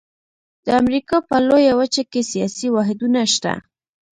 د امریکا په لویه وچه کې سیاسي واحدونه شته.